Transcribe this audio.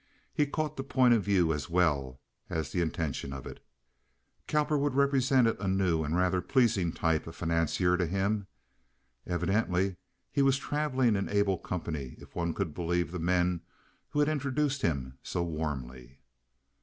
He caught the point of view as well as the intention of it. Cowperwood represented a new and rather pleasing type of financier to him. Evidently, he was traveling in able company if one could believe the men who had introduced him so warmly.